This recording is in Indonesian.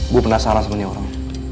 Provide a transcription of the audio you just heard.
gue penasaran sama nih orang